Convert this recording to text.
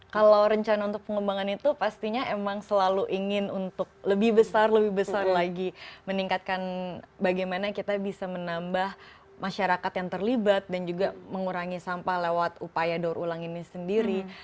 kalau rencana untuk pengembangan itu pastinya emang selalu ingin untuk lebih besar lebih besar lagi meningkatkan bagaimana kita bisa menambah masyarakat yang terlibat dan juga mengurangi sampah lewat upaya daur ulang ini sendiri